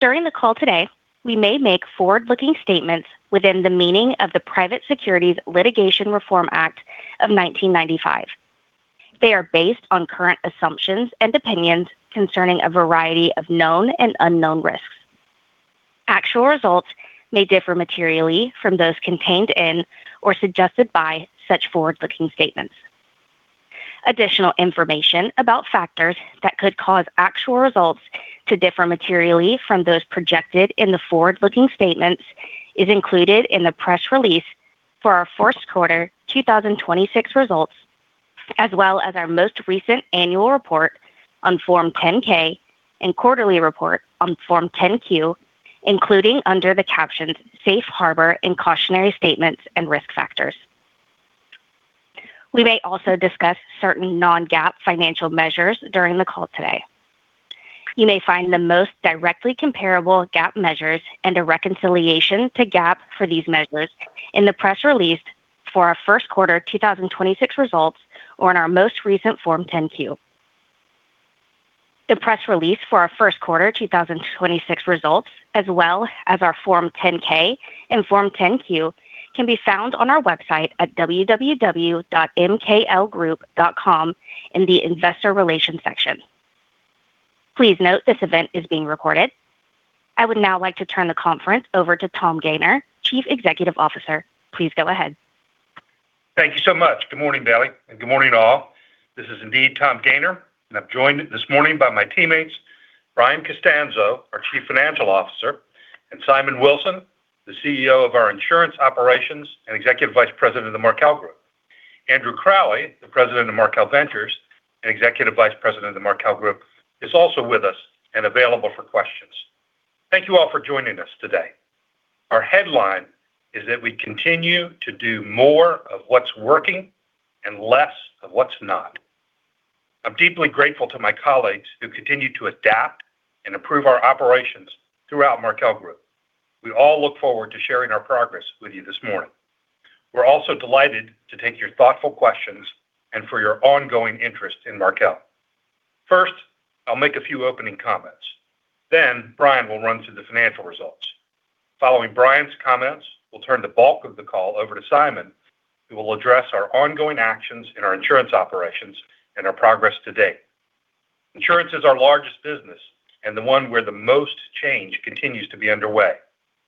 During the call today, we may make forward-looking statements within the meaning of the Private Securities Litigation Reform Act of 1995. They are based on current assumptions and opinions concerning a variety of known and unknown risks. Actual results may differ materially from those contained in or suggested by such forward-looking statements. Additional information about factors that could cause actual results to differ materially from those projected in the forward-looking statements is included in the press release for our first quarter 2026 results, as well as our most recent annual report on Form 10-K and quarterly report on Form 10-Q, including under the captions "Safe Harbor and Cautionary Statements" and "Risk Factors." We may also discuss certain non-GAAP financial measures during the call today. You may find the most directly comparable GAAP measures and a reconciliation to GAAP for these measures in the press release for our first quarter 2026 results or in our most recent Form 10-Q. The press release for our first quarter 2026 results, as well as our Form 10-K and Form 10-Q, can be found on our website at www.mklgroup.com in the Investor Relations section. Please note this event is being recorded. I would now like to turn the conference over to Tom Gayner, Chief Executive Officer. Please go ahead. Thank you so much. Good morning, Bailey, and good morning, all. This is indeed Tom Gayner, and I'm joined this morning by my teammates, Brian Costanzo, our Chief Financial Officer, and Simon Wilson, the CEO of our insurance operations and Executive Vice President of the Markel Group. Andrew Crowley, the President of Markel Ventures and Executive Vice President of the Markel Group, is also with us and available for questions. Thank you all for joining us today. Our headline is that we continue to do more of what's working and less of what's not. I'm deeply grateful to my colleagues who continue to adapt and improve our operations throughout Markel Group. We all look forward to sharing our progress with you this morning. We're also delighted to take your thoughtful questions and for your ongoing interest in Markel. First, I'll make a few opening comments. Brian will run through the financial results. Following Brian's comments, we'll turn the bulk of the call over to Simon, who will address our ongoing actions in our insurance operations and our progress to date. Insurance is our largest business and the one where the most change continues to be underway.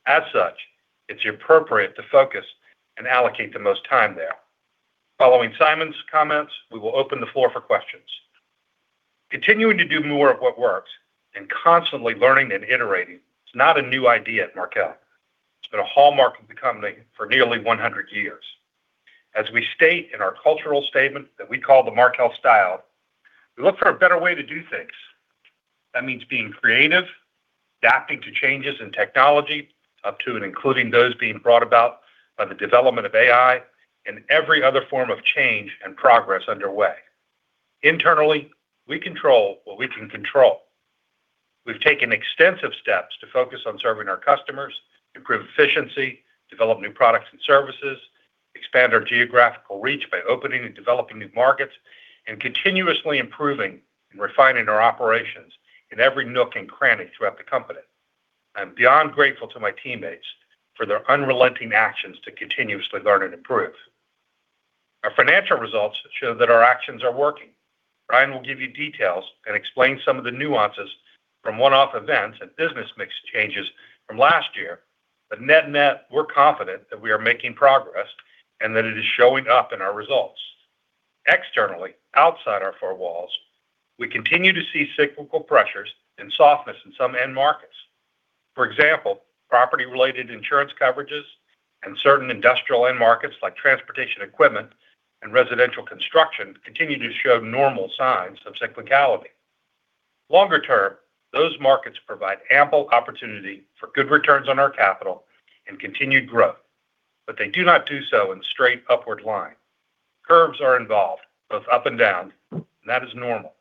As such, it's appropriate to focus and allocate the most time there. Following Simon's comments, we will open the floor for questions. Continuing to do more of what works and constantly learning and iterating is not a new idea at Markel. It's been a hallmark of the company for nearly 100 years. As we state in our cultural statement that we call the Markel Style, we look for a better way to do things. That means being creative, adapting to changes in technology, up to and including those being brought about by the development of AI and every other form of change and progress underway. Internally, we control what we can control. We've taken extensive steps to focus on serving our customers, improve efficiency, develop new products and services, expand our geographical reach by opening and developing new markets, and continuously improving and refining our operations in every nook and cranny throughout the company. I'm beyond grateful to my teammates for their unrelenting actions to continuously learn and improve. Our financial results show that our actions are working. Brian will give you details and explain some of the nuances from one-off events and business mix changes from last year. Net net, we're confident that we are making progress and that it is showing up in our results. Externally, outside our four walls, we continue to see cyclical pressures and softness in some end markets. For example, property-related insurance coverages and certain industrial end markets like transportation equipment and residential construction continue to show normal signs of cyclicality. Longer term, those markets provide ample opportunity for good returns on our capital and continued growth, but they do not do so in straight upward line. Curves are involved, both up and down, and that is normal.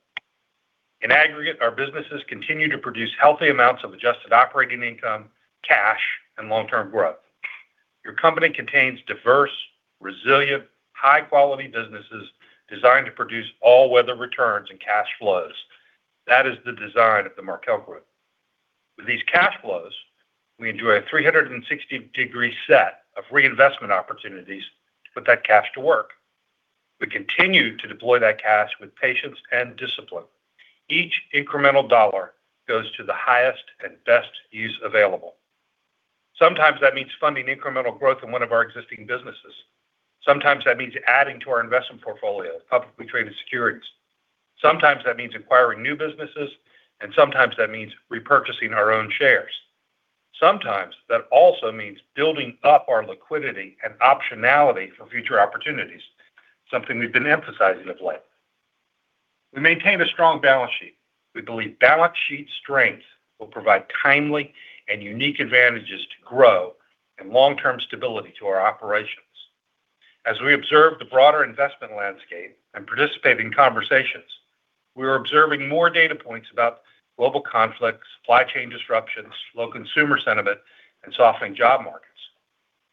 In aggregate, our businesses continue to produce healthy amounts of adjusted operating income, cash, and long-term growth. Your company contains diverse, resilient, high-quality businesses designed to produce all-weather returns and cash flows. That is the design of the Markel Group. With these cash flows, we enjoy a 360-degree set of reinvestment opportunities to put that cash to work. We continue to deploy that cash with patience and discipline. Each incremental dollar goes to the highest and best use available. Sometimes that means funding incremental growth in one of our existing businesses. Sometimes that means adding to our investment portfolio of publicly traded securities. Sometimes that means acquiring new businesses, and sometimes that means repurchasing our own shares. Sometimes that also means building up our liquidity and optionality for future opportunities, something we've been emphasizing of late. We maintain a strong balance sheet. We believe balance sheet strength will provide timely and unique advantages to grow and long-term stability to our operations. As we observe the broader investment landscape and participate in conversations, we are observing more data points about global conflicts, supply chain disruptions, low consumer sentiment, and softening job markets.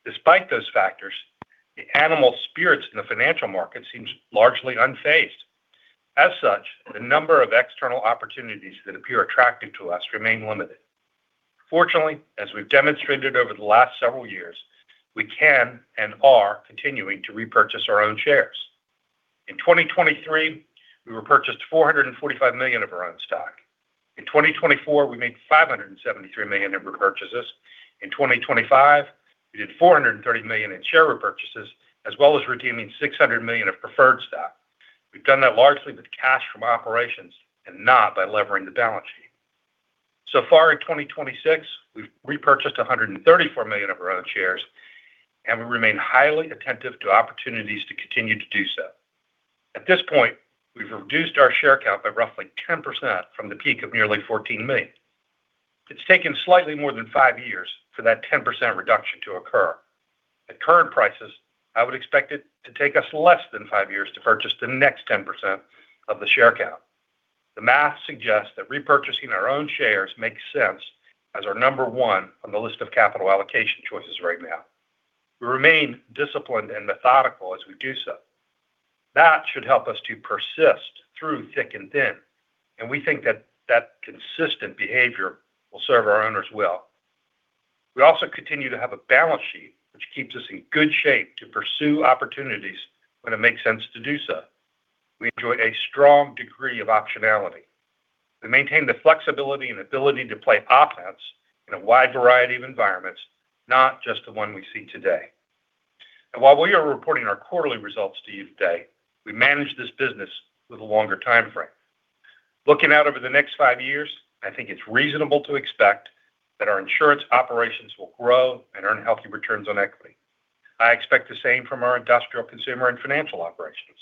Despite those factors, the animal spirits in the financial market seems largely unfazed. As such, the number of external opportunities that appear attractive to us remain limited. Fortunately, as we've demonstrated over the last several years, we can and are continuing to repurchase our own shares. In 2023, we repurchased $445 million of our own stock. In 2024, we made $573 million in repurchases. In 2025, we did $430 million in share repurchases, as well as redeeming $600 million of preferred stock. We've done that largely with cash from operations and not by levering the balance sheet. So far in 2026, we've repurchased $134 million of our own shares, and we remain highly attentive to opportunities to continue to do so. At this point, we've reduced our share count by roughly 10% from the peak of nearly 14 million. It's taken slightly more than five years for that 10% reduction to occur. At current prices, I would expect it to take us less than five years to purchase the next 10% of the share count. The math suggests that repurchasing our own shares makes sense as our number one on the list of capital allocation choices right now. We remain disciplined and methodical as we do so. That should help us to persist through thick and thin, and we think that that consistent behavior will serve our owners well. We also continue to have a balance sheet which keeps us in good shape to pursue opportunities when it makes sense to do so. We enjoy a strong degree of optionality. We maintain the flexibility and ability to play offense in a wide variety of environments, not just the one we see today. While we are reporting our quarterly results to you today, we manage this business with a longer timeframe. Looking out over the next five years, I think it's reasonable to expect that our insurance operations will grow and earn healthy returns on equity. I expect the same from our industrial consumer and financial operations.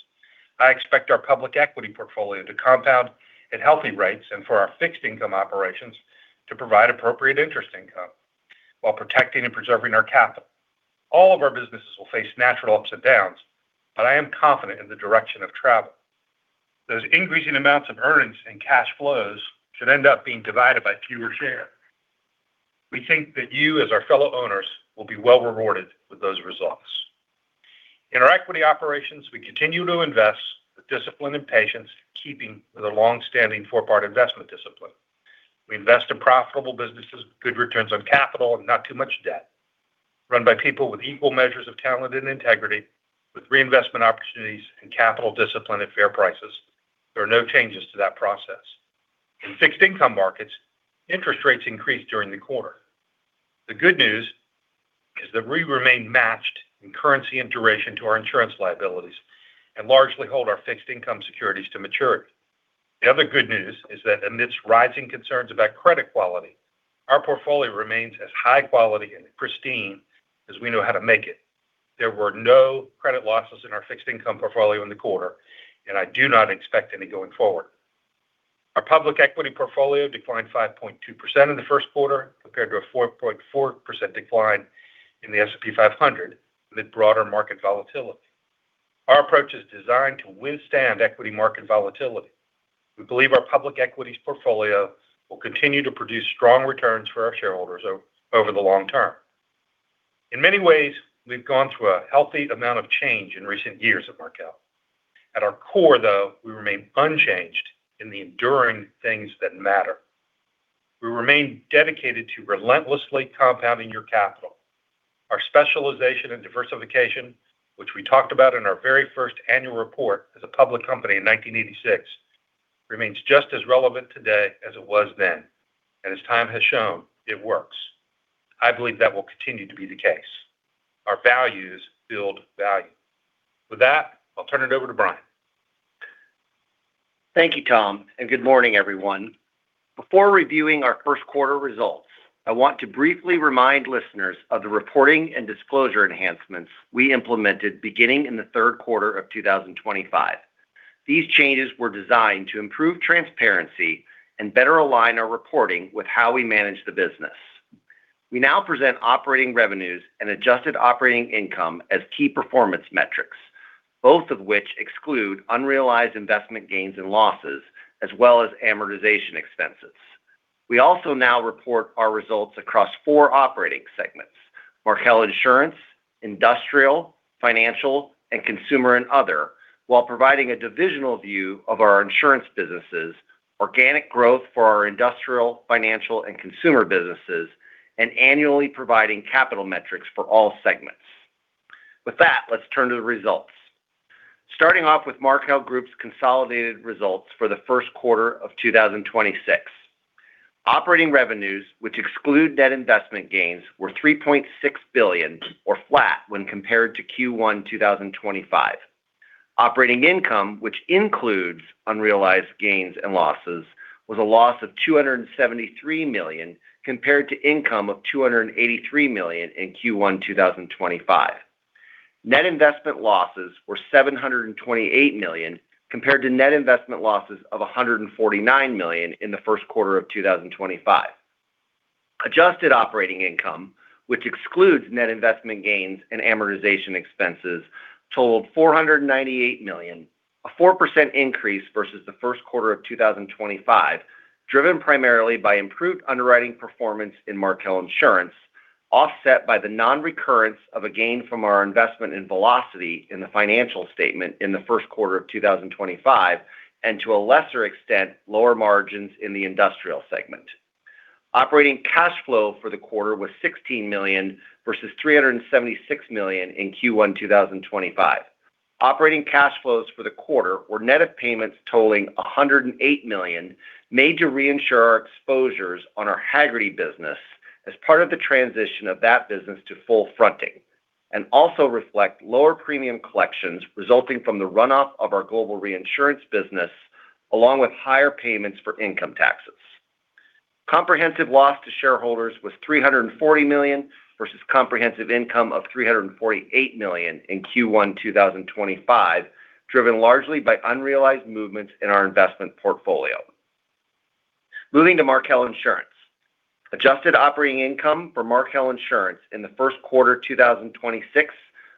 I expect our public equity portfolio to compound at healthy rates and for our fixed income operations to provide appropriate interest income while protecting and preserving our capital. All of our businesses will face natural ups and downs, but I am confident in the direction of travel. Those increasing amounts of earnings and cash flows should end up being divided by fewer shares. We think that you, as our fellow owners, will be well rewarded with those results. In our equity operations, we continue to invest with discipline and patience, keeping with a long-standing four-part investment discipline. We invest in profitable businesses with good returns on capital and not too much debt, run by people with equal measures of talent and integrity, with reinvestment opportunities and capital discipline at fair prices. There are no changes to that process. In fixed income markets, interest rates increased during the quarter. The good news is that we remain matched in currency and duration to our insurance liabilities and largely hold our fixed income securities to maturity. The other good news is that amidst rising concerns about credit quality, our portfolio remains as high quality and pristine as we know how to make it. There were no credit losses in our fixed income portfolio in the quarter, and I do not expect any going forward. Our public equity portfolio declined 5.2% in the first quarter compared to a 4.4% decline in the S&P 500 amid broader market volatility. Our approach is designed to withstand equity market volatility. We believe our public equities portfolio will continue to produce strong returns for our shareholders over the long term. In many ways, we've gone through a healthy amount of change in recent years at Markel Group. At our core, though, we remain unchanged in the enduring things that matter. We remain dedicated to relentlessly compounding your capital. Our specialization and diversification, which we talked about in our very first annual report as a public company in 1986, remains just as relevant today as it was then. As time has shown, it works. I believe that will continue to be the case. Our values build value. With that, I'll turn it over to Brian. Thank you, Tom. Good morning, everyone. Before reviewing our first quarter results, I want to briefly remind listeners of the reporting and disclosure enhancements we implemented beginning in the third quarter of 2025. These changes were designed to improve transparency and better align our reporting with how we manage the business. We now present operating revenues and adjusted operating income as key performance metrics, both of which exclude unrealized investment gains and losses, as well as amortization expenses. We also now report our results across four operating segments, Markel Insurance, Industrial, Financial, and Consumer and Other, while providing a divisional view of our insurance businesses, organic growth for our industrial, financial, and consumer businesses, and annually providing capital metrics for all segments. With that, let's turn to the results. Starting off with Markel Group's consolidated results for the first quarter of 2026. Operating revenues, which exclude net investment gains, were $3.6 billion or flat when compared to Q1 2025. Operating income, which includes unrealized gains and losses, was a loss of $273 million compared to income of $283 million in Q1 2025. Net investment losses were $728 million compared to net investment losses of $149 million in the first quarter of 2025. Adjusted operating income, which excludes net investment gains and amortization expenses, totaled $498 million, a 4% increase versus the first quarter of 2025, driven primarily by improved underwriting performance in Markel Insurance, offset by the non-recurrence of a gain from our investment in Velocity in the financial statement in the first quarter of 2025, and to a lesser extent, lower margins in the industrial segment. Operating cash flow for the quarter was $16 million versus $376 million in Q1 2025. Operating cash flows for the quarter were net of payments totaling $108 million made to reinsure our exposures on our Hagerty business as part of the transition of that business to full fronting. Also reflect lower premium collections resulting from the runoff of our Global Reinsurance business, along with higher payments for income taxes. Comprehensive loss to shareholders was $340 million versus comprehensive income of $348 million in Q1 2025, driven largely by unrealized movements in our investment portfolio. Moving to Markel Insurance. Adjusted operating income for Markel Insurance in the first quarter 2026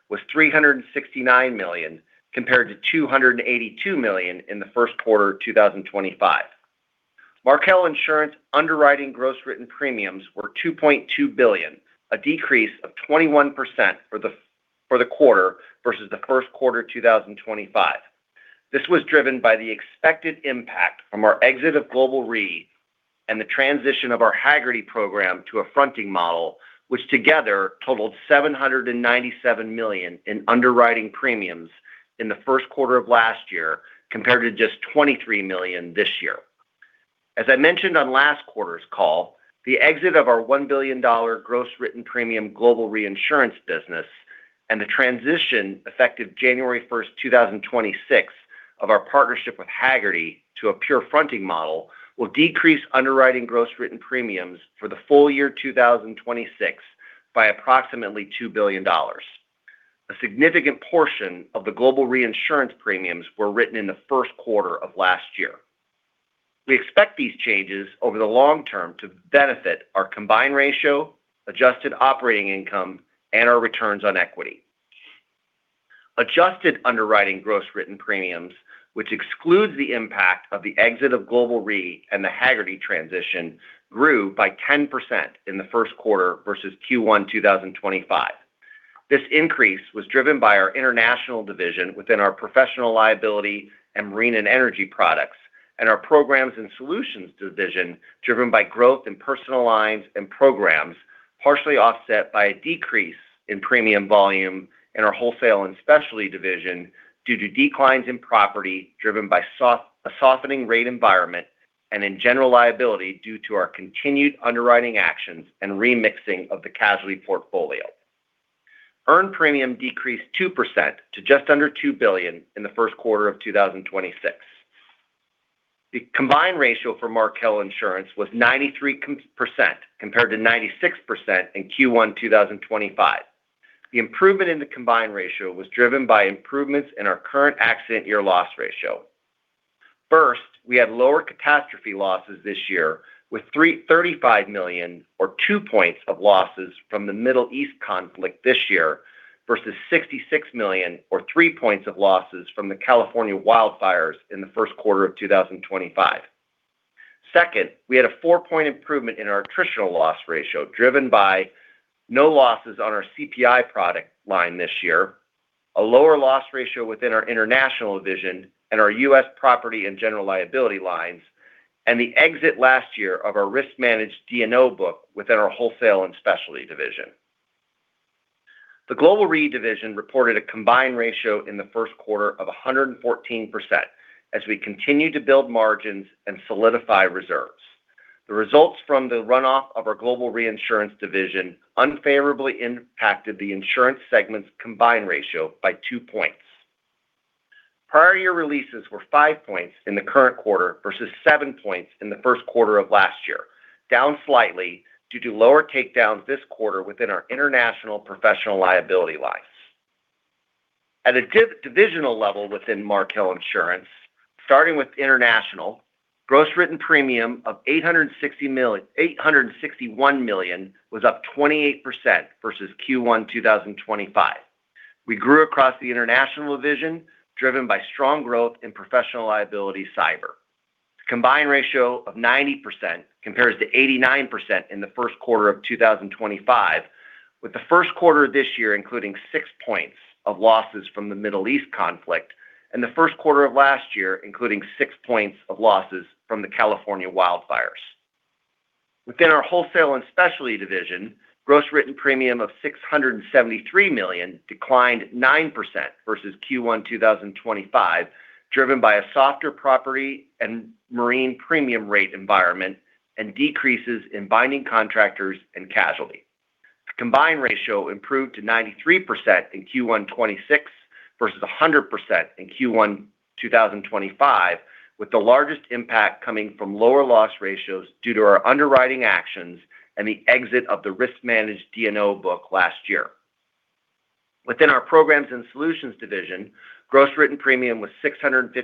was $369 million compared to $282 million in the first quarter 2025. Markel Insurance underwriting gross written premiums were $2.2 billion, a decrease of 21% for the quarter versus the first quarter 2025. This was driven by the expected impact from our exit of Global Re and the transition of our Hagerty program to a fronting model, which together totaled $797 million in underwriting premiums in the first quarter of last year compared to just $23 million this year. As I mentioned on last quarter's call, the exit of our $1 billion gross written premium Global Reinsurance business and the transition effective January 1st, 2026 of our partnership with Hagerty to a pure fronting model will decrease underwriting gross written premiums for the full year 2026 by approximately $2 billion. A significant portion of the Global Reinsurance premiums were written in the first quarter of last year. We expect these changes over the long term to benefit our combined ratio, adjusted operating income, and our returns on equity. Adjusted underwriting gross written premiums, which excludes the impact of the exit of Global Re and the Hagerty transition, grew by 10% in the first quarter versus Q1 2025. This increase was driven by our International Division within our professional liability and marine and energy products, and our Programs and Solutions Division driven by growth in personal lines and programs, partially offset by a decrease in premium volume in our Wholesale and Specialty Division due to declines in property driven by a softening rate environment and in general liability due to our continued underwriting actions and remixing of the casualty portfolio. Earned premium decreased 2% to just under $2 billion in the first quarter of 2026. The combined ratio for Markel Insurance was 93% compared to 96% in Q1 2025. The improvement in the combined ratio was driven by improvements in our current accident year loss ratio. First, we had lower catastrophe losses this year with $35 million or two points of losses from the Middle East conflict this year versus $66 million or three points of losses from the California wildfires in the first quarter of 2025. Second, we had a four point improvement in our attritional loss ratio, driven by no losses on our CPI product line this year, a lower loss ratio within our international division and our U.S. property and general liability lines, and the exit last year of our risk-managed D&O book within our wholesale and specialty division. The Global Re division reported a combined ratio in the first quarter of 114% as we continue to build margins and solidify reserves. The results from the runoff of our global reinsurance division unfavorably impacted the insurance segment's combined ratio by two points. Prior year releases were five points in the current quarter versus seven points in the first quarter of last year, down slightly due to lower takedowns this quarter within our International professional liability lines. At a divisional level within Markel Insurance, starting with International, gross written premium of $861 million was up 28% versus Q1 2025. We grew across the International division, driven by strong growth in professional liability cyber. Combined ratio of 90% compares to 89% in the first quarter of 2025, with the first quarter this year including six points of losses from the Middle East conflict and the first quarter of last year including six points of losses from the California wildfires. Within our wholesale and specialty division, gross written premium of $673 million declined 9% versus Q1 2025, driven by a softer property and marine premium rate environment and decreases in binding contractors and casualty. The combined ratio improved to 93% in Q1 2026 versus 100% in Q1 2025, with the largest impact coming from lower loss ratios due to our underwriting actions and the exit of the risk-managed D&O book last year. Within our programs and solutions division, gross written premium was $656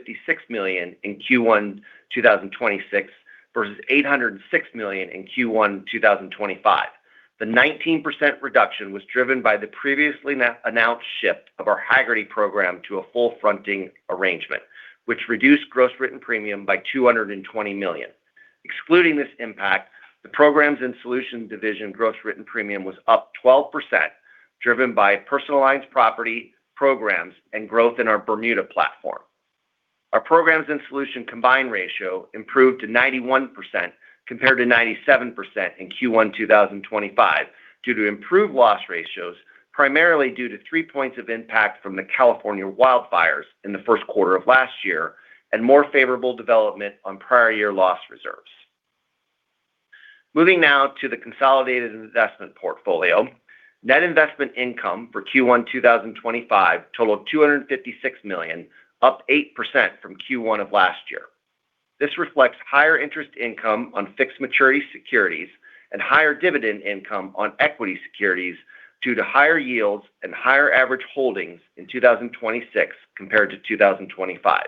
million in Q1 2026 versus $806 million in Q1 2025. The 19% reduction was driven by the previously announced shift of our Hagerty program to a full fronting arrangement, which reduced gross written premium by $220 million. Excluding this impact, the programs and solution division gross written premium was up 12%, driven by personal lines property programs and growth in our Bermuda platform. Our programs and solution combined ratio improved to 91% compared to 97% in Q1 2025 due to improved loss ratios, primarily due to three`` points of impact from the California wildfires in the first quarter of last year and more favorable development on prior year loss reserves. Moving now to the consolidated investment portfolio. Net investment income for Q1 2025 totaled $256 million, up 8% from Q1 of last year. This reflects higher interest income on fixed maturity securities and higher dividend income on equity securities due to higher yields and higher average holdings in 2026 compared to 2025.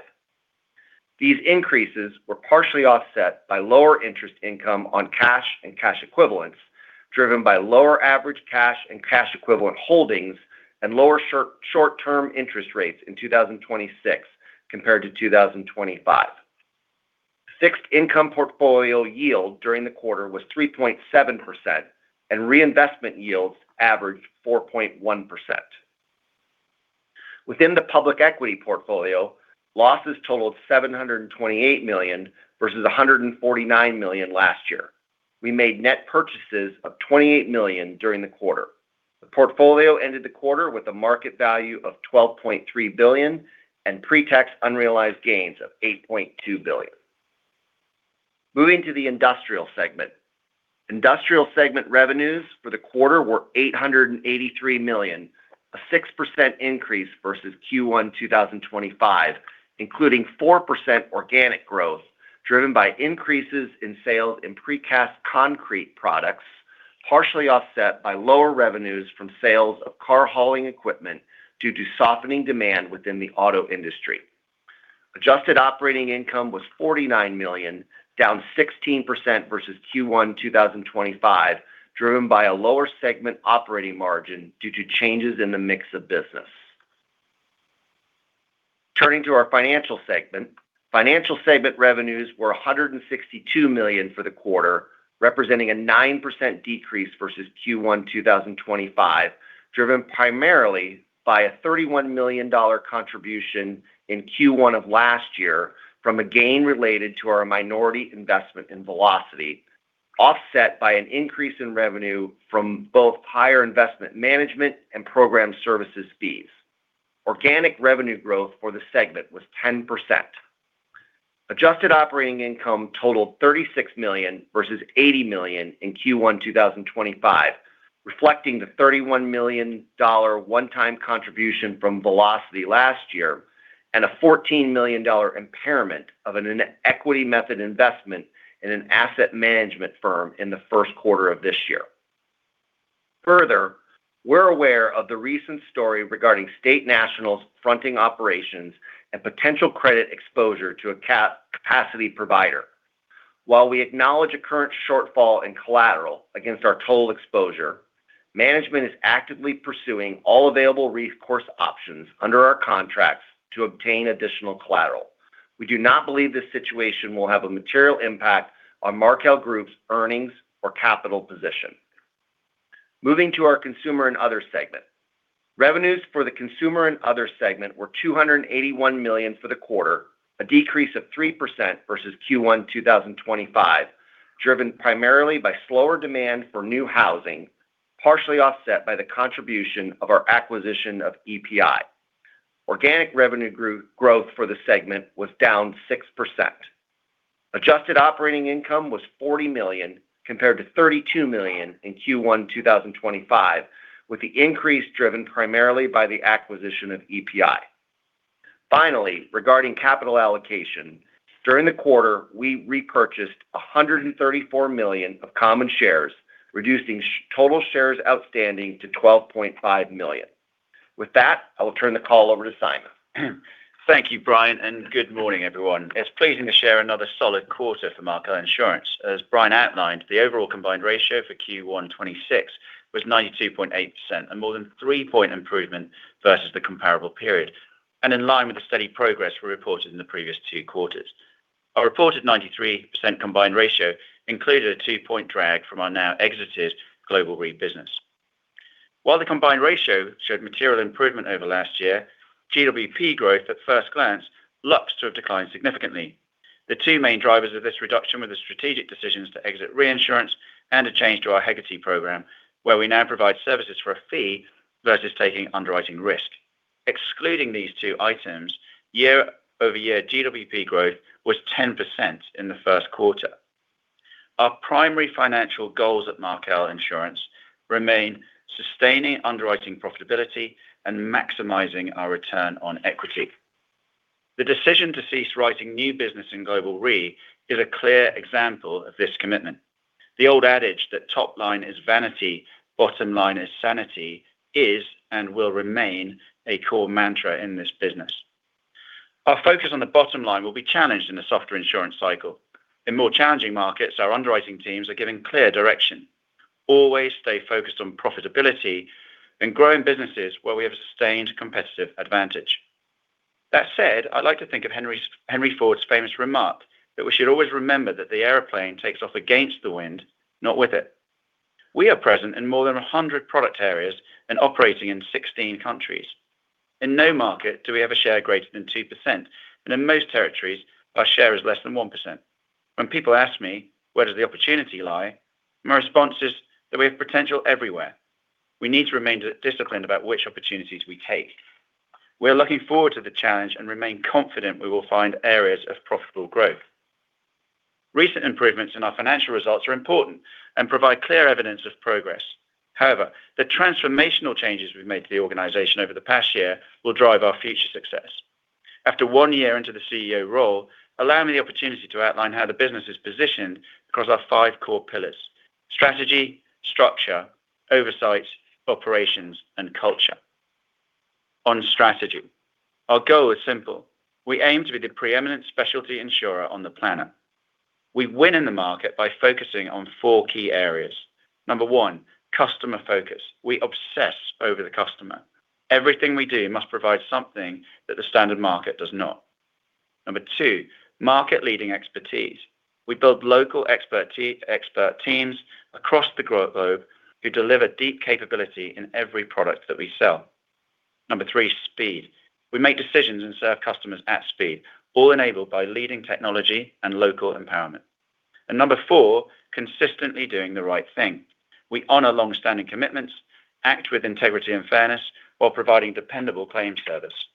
These increases were partially offset by lower interest income on cash and cash equivalents, driven by lower average cash and cash equivalent holdings and lower short-term interest rates in 2026 compared to 2025. Fixed income portfolio yield during the quarter was 3.7% and reinvestment yields averaged 4.1%. Within the public equity portfolio, losses totaled $728 million versus $149 million last year. We made net purchases of $28 million during the quarter. The portfolio ended the quarter with a market value of $12.3 billion and pre-tax unrealized gains of $8.2 billion. Moving to the industrial segment. Industrial segment revenues for the quarter were $883 million, a 6% increase versus Q1 2025, including 4% organic growth, driven by increases in sales in precast concrete products, partially offset by lower revenues from sales of car hauling equipment due to softening demand within the auto industry. Adjusted operating income was $49 million, down 16% versus Q1 2025, driven by a lower segment operating margin due to changes in the mix of business. Turning to our financial segment. Financial segment revenues were $162 million for the quarter, representing a 9% decrease versus Q1 2025, driven primarily by a $31 million contribution in Q1 of last year from a gain related to our minority investment in Velocity, offset by an increase in revenue from both higher investment management and program services fees. Organic revenue growth for the segment was 10%. Adjusted operating income totaled $36 million versus $80 million in Q1 2025, reflecting the $31 million one-time contribution from Velocity last year and a $14 million impairment of an equity method investment in an asset management firm in the first quarter of this year. We're aware of the recent story regarding State National's fronting operations and potential credit exposure to a capacity provider. While we acknowledge a current shortfall in collateral against our total exposure, management is actively pursuing all available recourse options under our contracts to obtain additional collateral. We do not believe this situation will have a material impact on Markel Group's earnings or capital position. Moving to our consumer and other segment. Revenues for the consumer and other segment were $281 million for the quarter, a decrease of 3% versus Q1 2025, driven primarily by slower demand for new housing, partially offset by the contribution of our acquisition of EPI. Organic revenue growth for the segment was down 6%. Adjusted operating income was $40 million compared to $32 million in Q1 2025, with the increase driven primarily by the acquisition of EPI. Finally, regarding capital allocation, during the quarter, we repurchased $134 million of common shares, reducing total shares outstanding to 12.5 million. With that, I will turn the call over to Simon. Thank you, Brian, and good morning, everyone. It's pleasing to share another solid quarter for Markel Insurance. As Brian outlined, the overall combined ratio for Q1 2026 was 92.8% and more than three point improvement versus the comparable period, and in line with the steady progress we reported in the previous two quarters. Our reported 93% combined ratio included a two point drag from our now exited Global Reinsurance. While the combined ratio showed material improvement over last year, GWP growth at first glance looks to have declined significantly. The two main drivers of this reduction were the strategic decisions to exit reinsurance and a change to our Hagerty program, where we now provide services for a fee versus taking underwriting risk. Excluding these two items, year-over-year GWP growth was 10% in the first quarter. Our primary financial goals at Markel Insurance remain sustaining underwriting profitability and maximizing our return on equity. The decision to cease writing new business in Global Re is a clear example of this commitment. The old adage that top line is vanity, bottom line is sanity is and will remain a core mantra in this business. Our focus on the bottom line will be challenged in the softer insurance cycle. In more challenging markets, our underwriting teams are given clear direction. Always stay focused on profitability and growing businesses where we have a sustained competitive advantage. That said, I'd like to think of Henry Ford's famous remark that we should always remember that the airplane takes off against the wind, not with it. We are present in more than a 100 product areas and operating in 16 countries. In no market do we have a share greater than 2%, and in most territories our share is less than 1%. When people ask me, "Where does the opportunity lie?" My response is that we have potential everywhere. We need to remain disciplined about which opportunities we take. We are looking forward to the challenge and remain confident we will find areas of profitable growth. Recent improvements in our financial results are important and provide clear evidence of progress. The transformational changes we've made to the organization over the past year will drive our future success. After one year into the CEO role, allow me the opportunity to outline how the business is positioned across our five core pillars, strategy, structure, oversight, operations, and culture. On strategy, our goal is simple. We aim to be the preeminent specialty insurer on the planet. We win in the market by focusing on four key areas. Number one, customer focus. We obsess over the customer. Everything we do must provide something that the standard market does not. Number two, market-leading expertise. We build local expert teams across the globe who deliver deep capability in every product that we sell. Number three, speed. We make decisions and serve customers at speed, all enabled by leading technology and local empowerment. Number four, consistently doing the right thing. We honor long-standing commitments, act with integrity and fairness, while providing dependable claim service.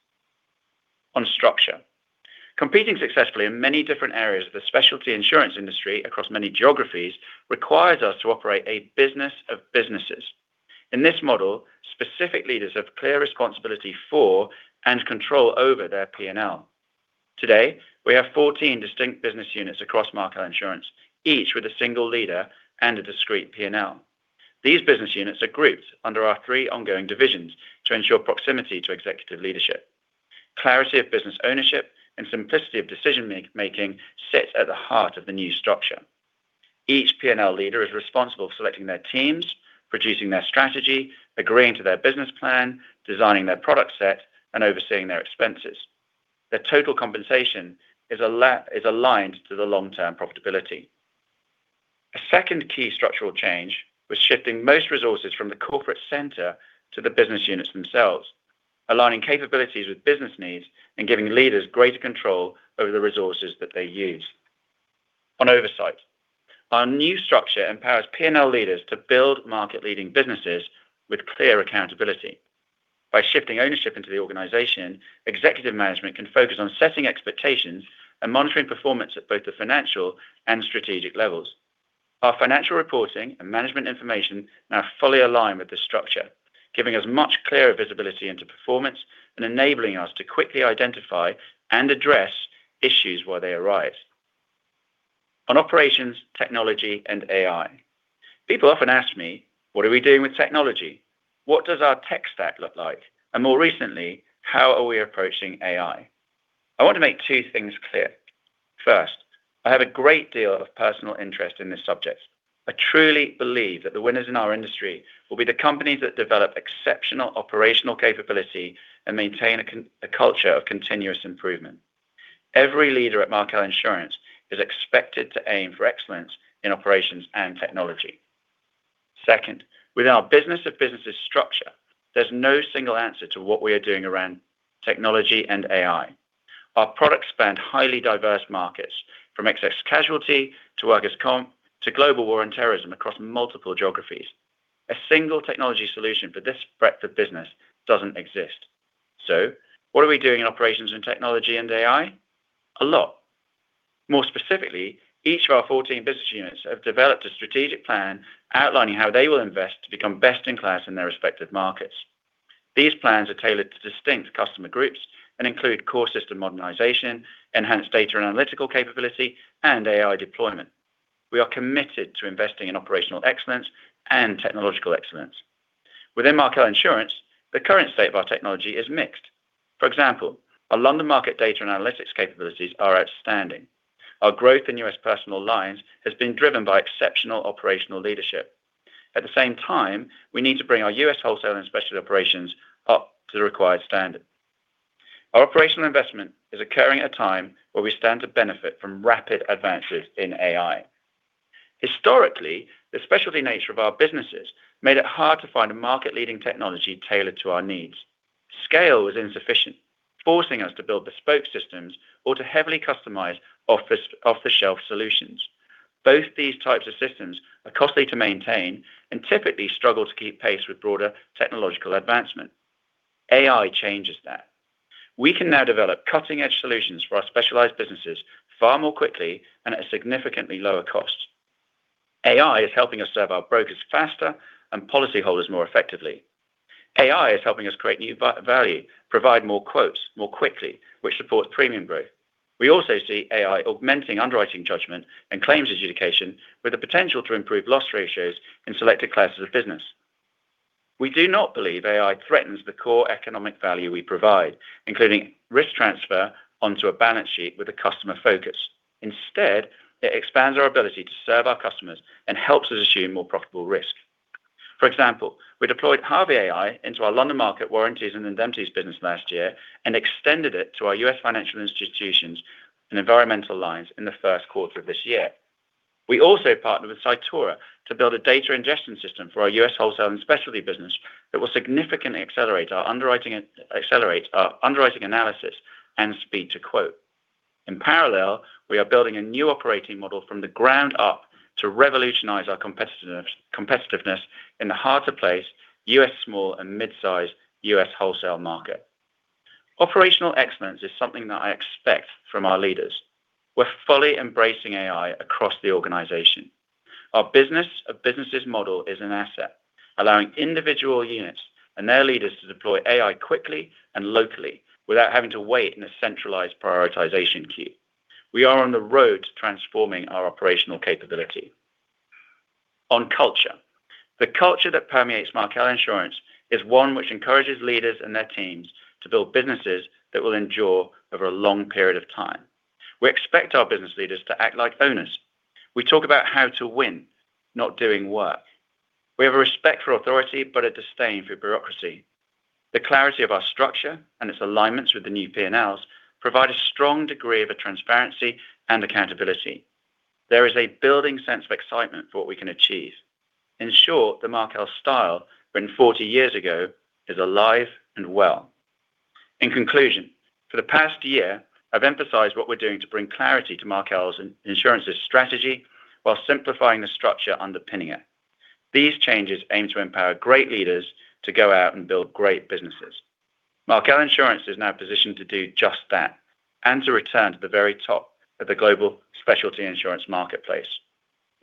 On structure. Competing successfully in many different areas of the specialty insurance industry across many geographies requires us to operate a business of businesses. In this model, specific leaders have clear responsibility for and control over their P&L. Today, we have 14 distinct business units across Markel Insurance, each with a single leader and a discrete P&L. These business units are grouped under our three ongoing divisions to ensure proximity to executive leadership. Clarity of business ownership and simplicity of decision making sit at the heart of the new structure. Each P&L leader is responsible for selecting their teams, producing their strategy, agreeing to their business plan, designing their product set, and overseeing their expenses. Their total compensation is aligned to the long-term profitability. A second key structural change was shifting most resources from the corporate center to the business units themselves, aligning capabilities with business needs and giving leaders greater control over the resources that they use. On oversight. Our new structure empowers P&L leaders to build market-leading businesses with clear accountability. By shifting ownership into the organization, executive management can focus on setting expectations and monitoring performance at both the financial and strategic levels. Our financial reporting and management information now fully align with this structure, giving us much clearer visibility into performance and enabling us to quickly identify and address issues where they arise. On operations, technology, and AI. People often ask me, "What are we doing with technology? What does our tech stack look like?" More recently, "How are we approaching AI?" I want to make two things clear. I have a great deal of personal interest in this subject. I truly believe that the winners in our industry will be the companies that develop exceptional operational capability and maintain a culture of continuous improvement. Every leader at Markel Insurance is expected to aim for excellence in operations and technology. Second, with our business of businesses structure, there's no single answer to what we are doing around technology and AI. Our products span highly diverse markets from excess casualty to workers' comp to global war and terrorism across multiple geographies. A single technology solution for this breadth of business doesn't exist. What are we doing in operations and technology and AI? A lot. More specifically, each of our 14 business units have developed a strategic plan outlining how they will invest to become best in class in their respective markets. These plans are tailored to distinct customer groups and include core system modernization, enhanced data and analytical capability, and AI deployment. We are committed to investing in operational excellence and technological excellence. Within Markel Insurance, the current state of our technology is mixed. For example, our London market data and analytics capabilities are outstanding. Our growth in U.S. personal lines has been driven by exceptional operational leadership. We need to bring our U.S. wholesale and special operations up to the required standard. Our operational investment is occurring at a time where we stand to benefit from rapid advances in AI. Historically, the specialty nature of our businesses made it hard to find a market-leading technology tailored to our needs. Scale was insufficient, forcing us to build bespoke systems or to heavily customize off-the-shelf solutions. Both these types of systems are costly to maintain and typically struggle to keep pace with broader technological advancement. AI changes that. We can now develop cutting-edge solutions for our specialized businesses far more quickly and at a significantly lower cost. AI is helping us serve our brokers faster and policyholders more effectively. AI is helping us create new value, provide more quotes more quickly, which supports premium growth. We also see AI augmenting underwriting judgment and claims adjudication with the potential to improve loss ratios in selected classes of business. We do not believe AI threatens the core economic value we provide, including risk transfer onto a balance sheet with a customer focus. Instead, it expands our ability to serve our customers and helps us assume more profitable risk. For example, we deployed Harvey AI into our London market warranties and indemnities business last year and extended it to our U.S. financial institutions and environmental lines in the first quarter of this year. We also partnered with Cytora to build a data ingestion system for our U.S. wholesale and specialty business that will significantly accelerate our underwriting analysis and speed to quote. In parallel, we are building a new operating model from the ground up to revolutionize our competitiveness in the harder placed U.S. small and mid-size U.S. wholesale market. Operational excellence is something that I expect from our leaders. We're fully embracing AI across the organization. Our businesses model is an asset, allowing individual units and their leaders to deploy AI quickly and locally without having to wait in a centralized prioritization queue. We are on the road to transforming our operational capability. On culture. The culture that permeates Markel Insurance is one which encourages leaders and their teams to build businesses that will endure over a long period of time. We expect our business leaders to act like owners. We talk about how to win, not doing work. We have a respect for authority, but a disdain for bureaucracy. The clarity of our structure and its alignments with the new P&Ls provide a strong degree of transparency and accountability. There is a building sense of excitement for what we can achieve. In short, the Markel Style written 40 years ago is alive and well. In conclusion, for the past year, I've emphasized what we're doing to bring clarity to Markel Insurance's strategy while simplifying the structure underpinning it. These changes aim to empower great leaders to go out and build great businesses. Markel Insurance is now positioned to do just that, and to return to the very top of the global specialty insurance marketplace.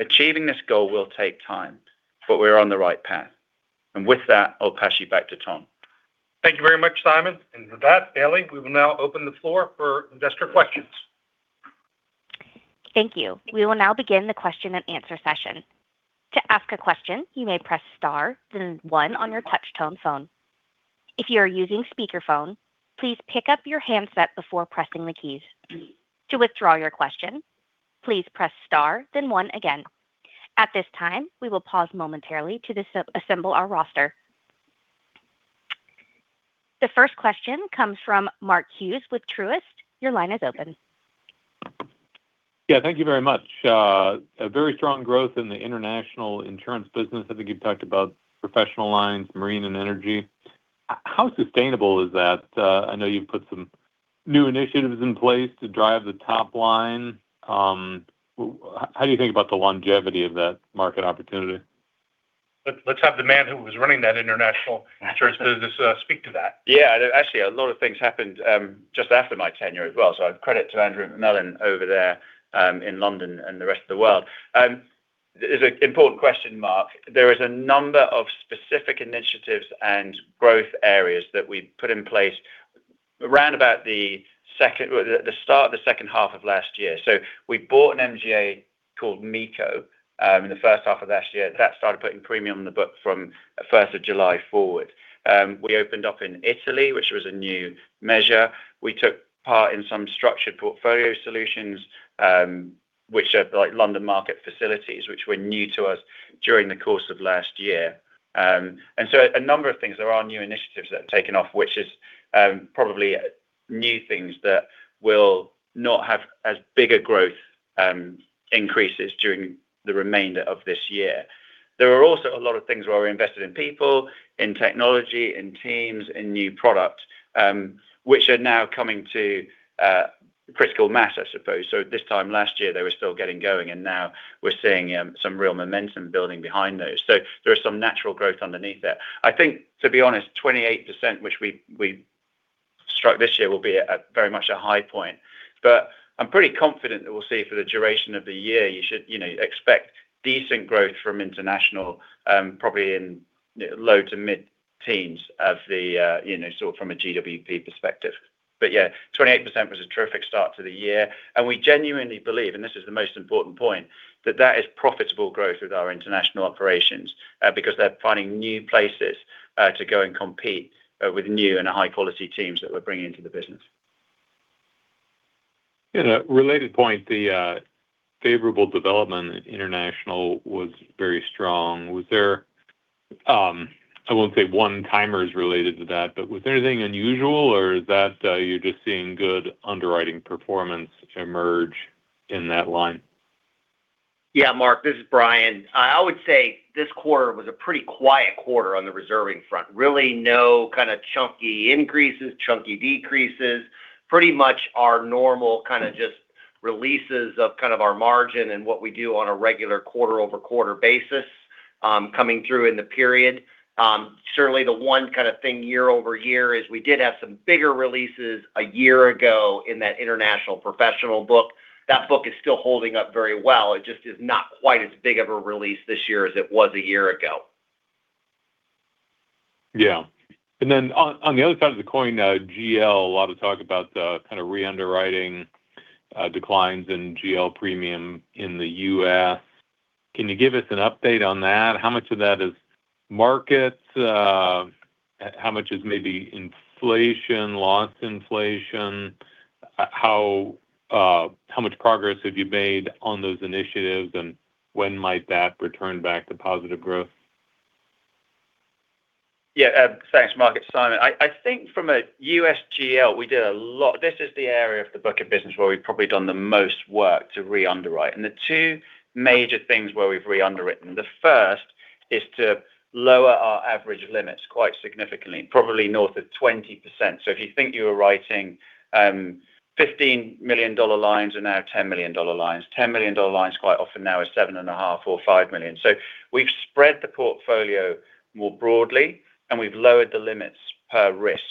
Achieving this goal will take time, but we're on the right path. With that, I'll pass you back to Tom. Thank you very much, Simon. With that, Bailey, we will now open the floor for investor questions. Thank you. We will now begin the question and answer session. To ask a question, you may press star then one on your touch tone phone. If you are using speakerphone, please pick up your handset before pressing the keys. To withdraw your question, please press star then one again. At this time we will pause momentarily to assemble our roster. The first question comes from Mark Hughes with Truist. Your line is open. Thank you very much. A very strong growth in the international insurance business. I think you've talked about professional lines, marine and energy. How sustainable is that? I know you've put some new initiatives in place to drive the top line. How do you think about the longevity of that market opportunity? Let's have the man who was running that international insurance business speak to that. Actually, a lot of things happened just after my tenure as well. Credit to Andrew McMillan over there in London and the rest of the world. It's an important question, Mark. There is a number of specific initiatives and growth areas that we put in place around about the start of the second half of last year. We bought an MGA called MECO in the first half of last year. That started putting premium in the book from the 1st of July forward. We opened up in Italy, which was a new measure. We took part in some structured portfolio solutions, which are like London market facilities, which were new to us during the course of last year. A number of things. There are new initiatives that have taken off, which is, probably new things that will not have as big a growth increases during the remainder of this year. There are also a lot of things where we invested in people, in technology, in teams, in new product, which are now coming to critical mass, I suppose. This time last year, they were still getting going, and now we're seeing some real momentum building behind those. There is some natural growth underneath it. I think, to be honest, 28%, which we struck this year, will be at, very much a high point. I'm pretty confident that we'll see for the duration of the year, you should, you know, expect decent growth from International, probably in low to mid-teens of the, you know, sort of from a GWP perspective. Yeah, 28% was a terrific start to the year. We genuinely believe, and this is the most important point, that that is profitable growth with our international operations because they're finding new places to go and compete with new and high quality teams that we're bringing into the business. In a related point, the favorable development in international was very strong. Was there, I won't say one-timers related to that, but was there anything unusual or is that, you're just seeing good underwriting performance emerge in that line? Yeah, Mark, this is Brian. I would say this quarter was a pretty quiet quarter on the reserving front. Really no kind of chunky increases, chunky decreases. Pretty much our normal kind of just releases of kind of our margin and what we do on a regular quarter-over-quarter basis, coming through in the period. Certainly the one kind of thing year-over-year is we did have some bigger releases a year ago in that international professional book. That book is still holding up very well. It just is not quite as big of a release this year as it was a year ago. Yeah. On, on the other side of the coin, GL, a lot of talk about the kind of re-underwriting. Declines in GL premium in the U.S. Can you give us an update on that? How much of that is market? How much is maybe inflation, loss inflation? How much progress have you made on those initiatives, and when might that return back to positive growth? Thanks, Mark. It's Simon. I think from a US GL, we did a lot. This is the area of the book of business where we've probably done the most work to re-underwrite. The two major things where we've re-underwritten, the first is to lower our average limits quite significantly, probably north of 20%. If you think you were writing, $15 million lines are now $10 million lines. $10 million lines quite often now are $7.5 million or $5 million. We've spread the portfolio more broadly, and we've lowered the limits per risk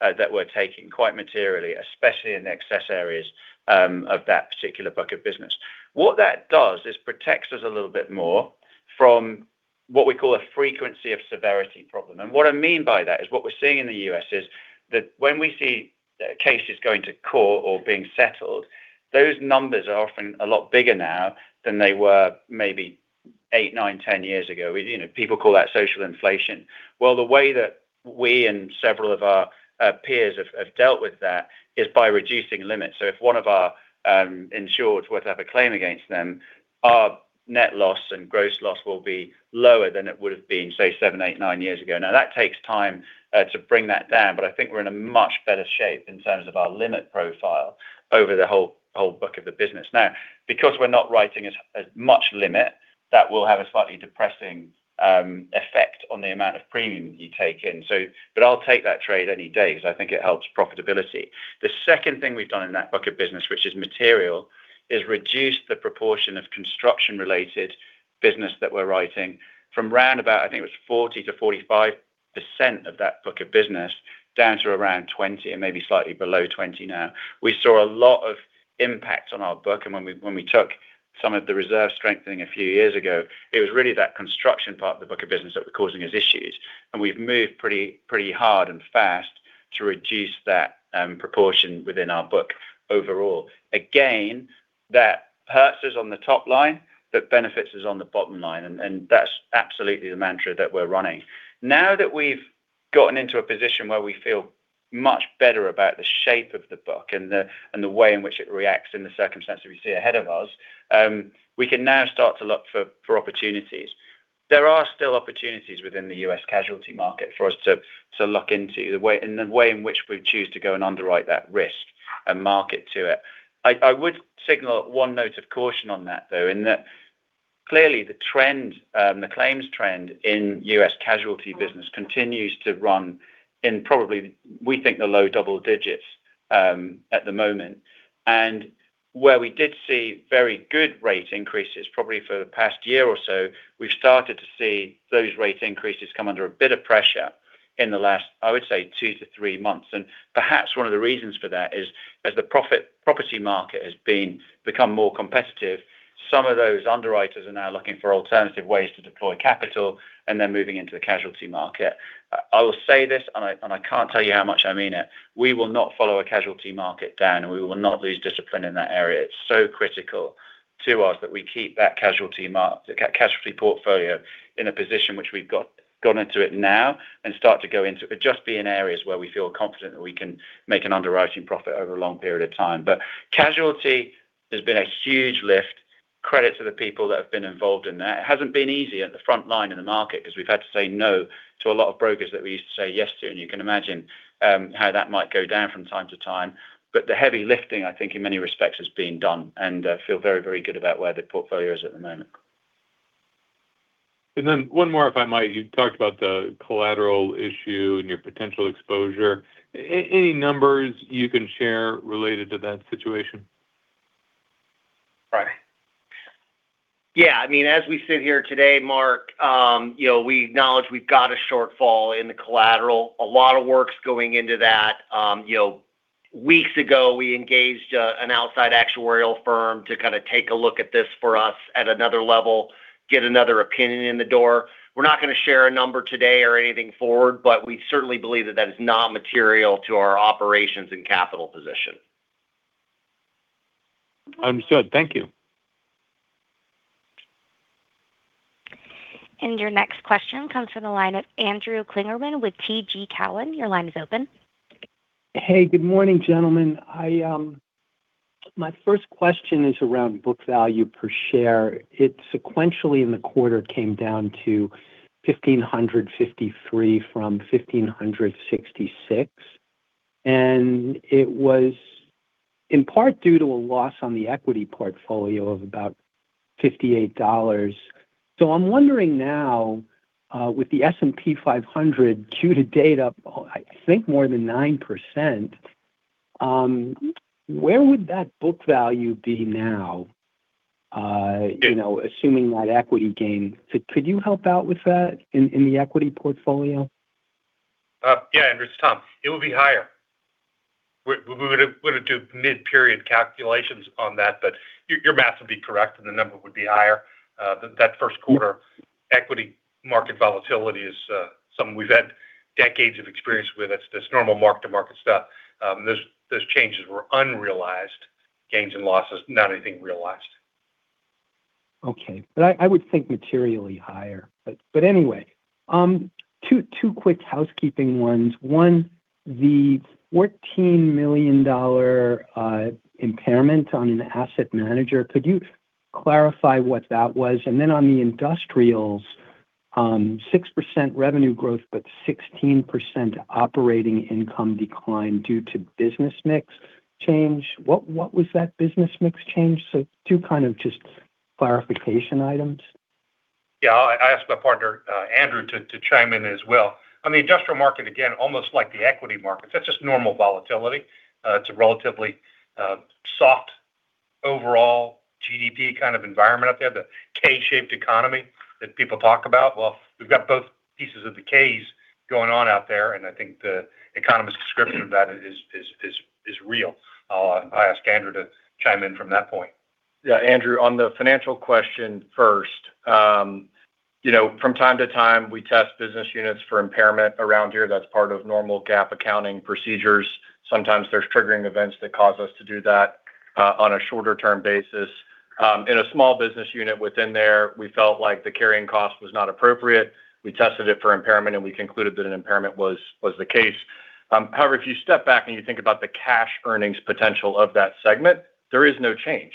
that we're taking quite materially, especially in excess areas of that particular book of business. What that does is protects us a little bit more from what we call a frequency of severity problem. What I mean by that is what we're seeing in the U.S. is that when we see cases going to court or being settled, those numbers are often a lot bigger now than they were maybe eight, nine, 10 years ago. You know, people call that social inflation. The way that we and several of our peers have dealt with that is by reducing limits. If one of our insureds were to have a claim against them, our net loss and gross loss will be lower than it would have been, say, seven, eight, nine years ago. That takes time to bring that down, but I think we're in a much better shape in terms of our limit profile over the whole book of the business. Because we're not writing as much limit, that will have a slightly depressing effect on the amount of premium you take in. I'll take that trade any day because I think it helps profitability. The second thing we've done in that book of business, which is material, is reduce the proportion of construction-related business that we're writing from round about, I think it was 40%-45% of that book of business, down to around 20% and maybe slightly below 20% now. We saw a lot of impact on our book. When we took some of the reserve strengthening a few years ago, it was really that construction part of the book of business that was causing us issues. We've moved pretty hard and fast to reduce that proportion within our book overall. Again, that hurts us on the top line, but benefits us on the bottom line. That's absolutely the mantra that we're running. Now that we've gotten into a position where we feel much better about the shape of the book and the way in which it reacts in the circumstances we see ahead of us, we can now start to look for opportunities. There are still opportunities within the U.S. casualty market for us to look into the way in which we choose to go and underwrite that risk and market to it. I would signal one note of caution on that, though, in that clearly the trend, the claims trend in U.S. casualty business continues to run in probably, we think, the low double digits at the moment. Where we did see very good rate increases probably for the past year or so, we've started to see those rate increases come under a bit of pressure in the last, I would say, two to three months. Perhaps one of the reasons for that is as the property market has become more competitive, some of those underwriters are now looking for alternative ways to deploy capital, and they're moving into the casualty market. I will say this, and I can't tell you how much I mean it. We will not follow a casualty market down, and we will not lose discipline in that area. It's so critical to us that we keep that casualty portfolio in a position which we've got, gone into it now and start to go into it. Just be in areas where we feel confident that we can make an underwriting profit over a long period of time. Casualty has been a huge lift. Credit to the people that have been involved in that. It hasn't been easy at the front line in the market 'cause we've had to say no to a lot of brokers that we used to say yes to, and you can imagine how that might go down from time to time. The heavy lifting, I think, in many respects, has been done, and feel very, very good about where the portfolio is at the moment. Then one more, if I might. You talked about the collateral issue and your potential exposure. Any numbers you can share related to that situation? Yeah, I mean, as we sit here today, Mark, you know, we acknowledge we've got a shortfall in the collateral. A lot of work's going into that. You know, weeks ago, we engaged an outside actuarial firm to kind of take a look at this for us at another level, get another opinion in the door. We're not gonna share a number today or anything forward, but we certainly believe that that is not material to our operations and capital position. Understood. Thank you. Your next question comes from the line of Andrew Kligerman with TD Cowen. Your line is open. Hey, good morning, gentlemen. I, my first question is around book value per share. It sequentially in the quarter came down to $1,553 from $1,566, and it was in part due to a loss on the equity portfolio of about $58. I'm wondering now, with the S&P 500 Q to date up, I think more than 9%, where would that book value be now, you know, assuming that equity gain? Could you help out with that in the equity portfolio? Yeah, Andrew. It's Tom. It would be higher. We would do mid-period calculations on that, but your math would be correct, and the number would be higher. That first quarter equity market volatility is something we've had decades of experience with. It's this normal mark-to-market stuff. Those changes were unrealized gains and losses, not anything realized. Okay. I would think materially higher. Anyway, two quick housekeeping ones. One, the $14 million impairment on an asset manager, could you clarify what that was? Then on the industrials, 6% revenue growth, but 16% operating income decline due to business mix change. What was that business mix change? Two kind of just clarification items. I asked my partner, Andrew, to chime in as well. On the industrial market, again, almost like the equity markets, that's just normal volatility. It's a relatively soft overall GDP kind of environment out there. The K-shaped economy that people talk about, well, we've got both pieces of the K's going on out there, and I think the economist description of that is real. I'll ask Andrew to chime in from that point. Andrew, on the financial question first, you know, from time to time, we test business units for impairment around here. That's part of normal GAAP accounting procedures. Sometimes there's triggering events that cause us to do that on a shorter term basis. In a small business unit within there, we felt like the carrying cost was not appropriate. We tested it for impairment, and we concluded that an impairment was the case. However, if you step back and you think about the cash earnings potential of that segment, there is no change.